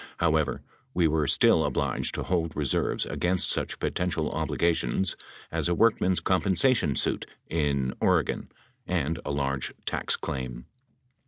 However, we were still obliged to hold re serves against such potential obligations as a workmen's compensation suit in Oregon and a large tax claim.